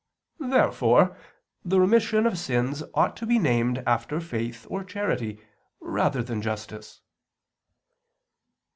Therefore the remission of sins ought to be named after faith or charity rather than justice.